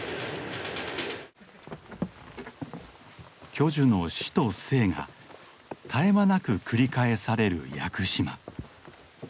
巨樹の死と生が絶え間なく繰り返される屋久島。